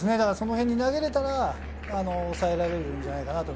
そのへんに投げれたら抑えられるんじゃないかと。